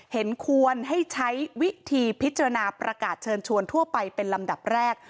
เห็นควรให้ใช้วิธีพิจารณาประกาศเชิญชวนทั่วไปเป็นลำดับแรก